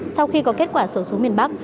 sau khi có kết quả sổ số miền bắc